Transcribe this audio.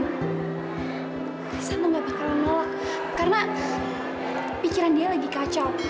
tristan tuh nggak bakalan ngelak karena pikiran dia lagi kacau